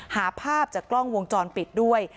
หาภาพจากกล้องวงจรปิดด้วย